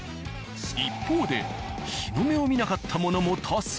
一方で日の目を見なかったものも多数。